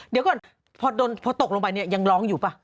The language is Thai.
เดี๋ยวก่อนพอตกลงไปเนี่ยยังร้องอยู่ป่ะ